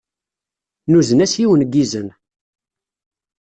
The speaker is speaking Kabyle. Nuzen-as yiwen n yizen.